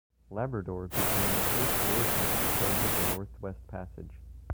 "Labrador" became the first warship to transit the Northwest Passage.